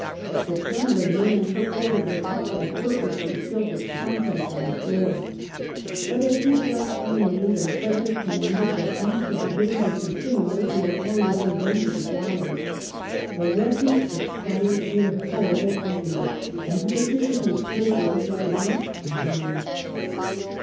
The trembling man took hold of the cup and purposely spilt its contents on the floor. But a few drops remained, and Frederick commanded that these should be given to some criminals who were already condemned to the gallows. The wretches expired in horrible agony and the physician was straight way taken out and hanged.